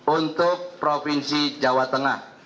untuk provinsi jawa tengah